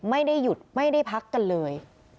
ไม่ได้หยุดไม่ได้พักกันเลย